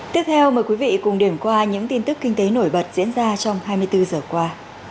tiếp theo mời quý vị cùng điểm qua những tin tức kinh tế nổi bật diễn ra trong hai mươi bốn giờ qua